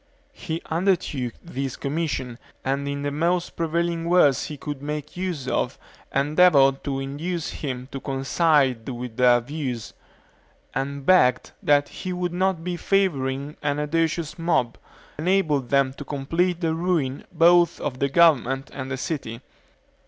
He undertook this commission, and in the most prevailing words he could make use of endeavored to induce him to coincide with their views; and begged that he would not by favoring an audacious mob, enable them to complete the ruin both of the government and the city.